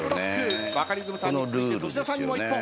バカリズムさんに続いて粗品さんにも一本。